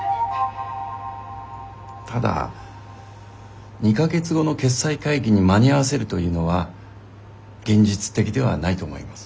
ただ２か月後の決裁会議に間に合わせるというのは現実的ではないと思います。